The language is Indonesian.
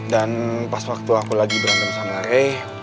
dan pas waktu aku lagi berantem sama ray